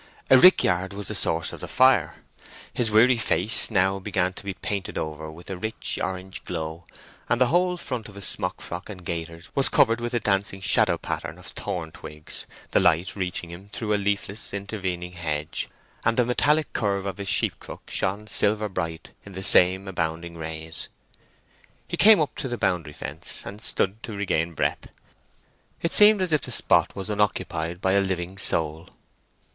A rick yard was the source of the fire. His weary face now began to be painted over with a rich orange glow, and the whole front of his smock frock and gaiters was covered with a dancing shadow pattern of thorn twigs—the light reaching him through a leafless intervening hedge—and the metallic curve of his sheep crook shone silver bright in the same abounding rays. He came up to the boundary fence, and stood to regain breath. It seemed as if the spot was unoccupied by a living soul.